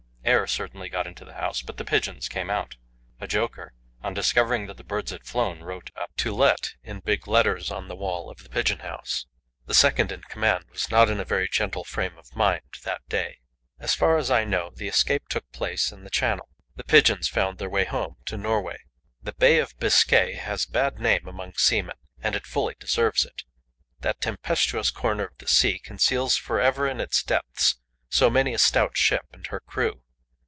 Air certainly got into the house, but the pigeons came out. A joker, on discovering that the birds had flown, wrote up "To Let" in big letters on the wall of the pigeon house. The second in command was not in a very gentle frame of mind that day. As far as I know, this escape took place in the Channel. The pigeons found their way home to Norway. The Bay of Biscay has a bad name among seamen, and it fully deserves it; that tempestuous corner of the sea conceals for ever in its depths so many a stout ship and her crew.